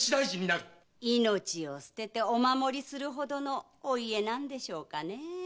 命を捨ててお守りするほどのお家なんでしょうかねぇ。